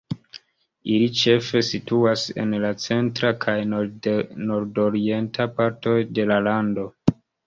Ili ĉefe situas en la centra kaj nordorienta partoj de la lando.